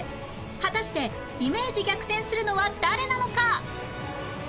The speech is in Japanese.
果たしてイメージ逆転するのは誰なのか？